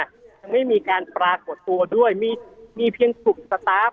ยังไม่มีการปรากฏตัวด้วยมีเพียงกลุ่มสตาร์ฟ